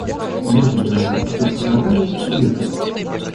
Я забираюсь на кушетку с ногами и лежу.